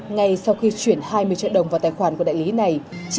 ngay sau khi chuyển hai mươi triệu đồng vào tài khoản của đại lý này